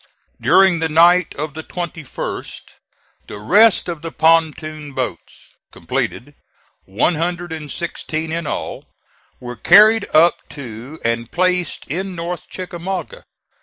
During the night of the 21st the rest of the pontoon boats, completed, one hundred and sixteen in all, were carried up to and placed in North Chickamauga.